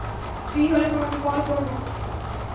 Free হলে তোমাকে call করব।